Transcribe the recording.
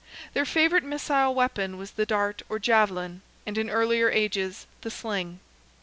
Their favourite missile weapon was the dart or javelin, and in earlier ages the sling.